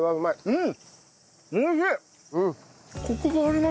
うん！